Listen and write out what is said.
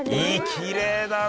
きれいだね。